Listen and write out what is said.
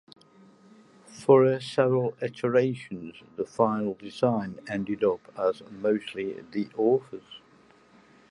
Through several iterations, the final design ended up as mostly the author's.